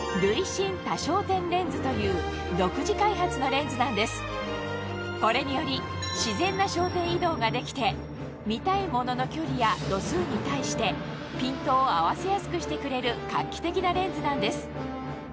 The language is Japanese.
レンズの中心から外側に向かってこれにより自然な焦点移動ができて見たいものの距離や度数に対してピントを合わせやすくしてくれる画期的なレンズなんです